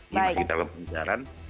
ini masih kita lakukan pengejaran